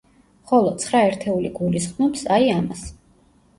ხოლო, ცხრა ერთეული გულისხმობს, აი, ამას.